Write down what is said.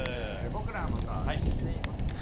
僕らのことは知っていますか？